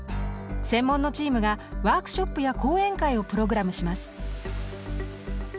専門のチームがワークショップや講演会をプログラムします。